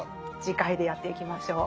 次回でやっていきましょう。